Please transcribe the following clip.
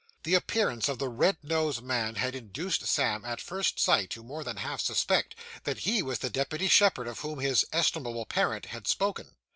The appearance of the red nosed man had induced Sam, at first sight, to more than half suspect that he was the deputy shepherd of whom his estimable parent had spoken.